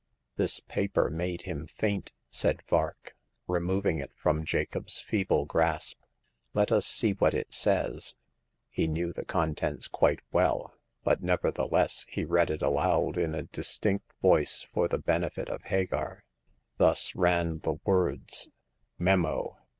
"This paper made him faint,''^aid Vark, re moving it from Jacob's feeble grasp. " Let us see what it says." He knew the contents quite well, but nevertheless he read it aloud in a dis tinct voice for the benefit of Hagar. Thus ran the words :" Memo.